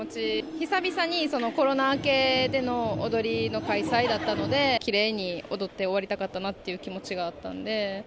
久々にコロナ明けでの踊りの開催だったので、きれいに踊って終わりたかったなっていう気持ちがあったんで。